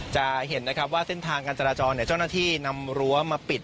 จะเห็นนะครับว่าเส้นทางการจราจรเจ้าหน้าที่นำรั้วมาปิด